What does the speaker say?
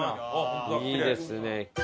いいですね。